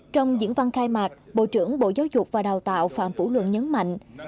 trong diễn văn khai mạc bộ trưởng bộ giáo dục và đào tạo phạm vũ lượng nhấn mạnh